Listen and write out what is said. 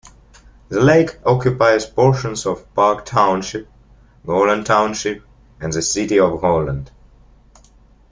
The lake occupies portions of Park Township, Holland Township, and the City of Holland.